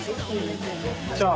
じゃあ。